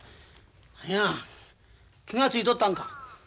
何や気が付いとったんか。